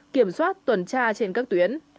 kiểm soát tuần tra trên các tuyến